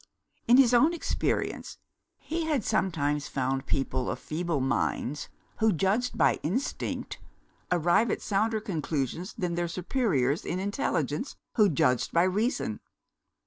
In his own experience, he had sometimes found people of feeble minds, who judged by instinct, arrive at sounder conclusions than their superiors in intelligence, who judged by reason.